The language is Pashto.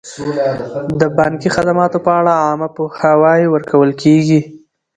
د بانکي خدماتو په اړه عامه پوهاوی ورکول کیږي.